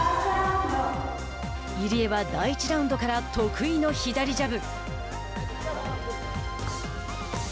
入江は第１ラウンドから得意の左ジャブ。